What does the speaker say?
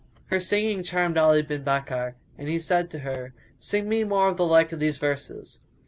Her singing charmed Ali bin Bakkar, and he said to her, "Sing me more of the like of these verses."